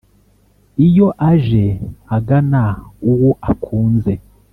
iyo aje agana uwo akunze,